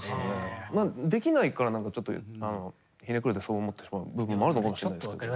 できないからちょっとひねくれてそう思ってしまう部分もあるのかもしれないですけど。